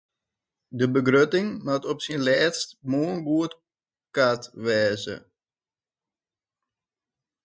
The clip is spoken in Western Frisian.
De begrutting moat op syn lêst moarn goedkard wêze.